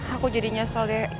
aku jadi nyesel deh